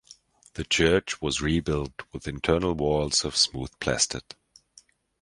The church was rebuilt with internal walls of smooth plastered.